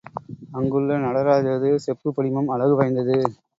அங்குள்ள நடராஜரது செப்புப் படிமம் அழகு வாய்ந்தது.